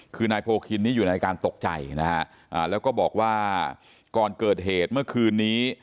คือนายโพคินนี่อยู่ในการตกใจนะฮะแล้วก็บอกว่าก่อนเกิดเหตุเมื่อคืนนี้